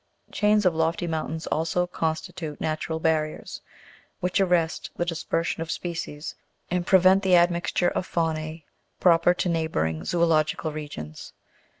Chains of lofty mountains also constitute natural barriers, which arrest the dispersion of species, and prevent the admixture of faunae, proper to neighbouring zoological regions.